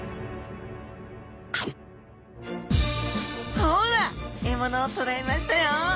ほら獲物を捕らえましたよ！